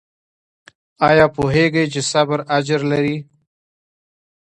ایا پوهیږئ چې صبر اجر لري؟